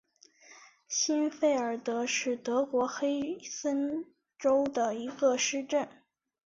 欣费尔德是德国黑森州的一个市镇。